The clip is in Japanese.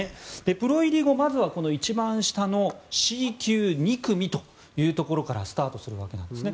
プロ入り後、まずは一番下のＣ級２組というところからスタートするわけですね。